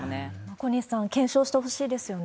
小西さん、検証してほしいですよね。